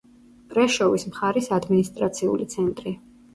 პრეშოვის მხარის ადმინისტრაციული ცენტრი.